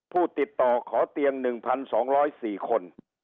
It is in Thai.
ผู้ติดต่อขอเตียง๑๒๐๔คน